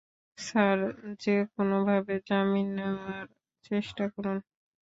Sir, যে কোনোভাবে জামিন নেওয়ার চেষ্টা করুন।